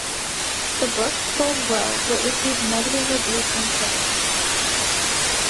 The book sold well, but received negative reviews from critics.